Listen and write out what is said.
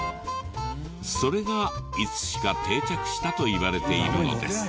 それがいつしか定着したといわれているのです。